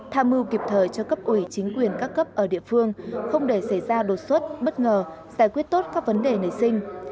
tham mưu kịp thời cho cấp ủy chính quyền các cấp ở địa phương không để xảy ra đột xuất bất ngờ giải quyết tốt các vấn đề nảy sinh